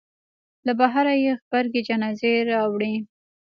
له بهره یې غبرګې جنازې راوړې.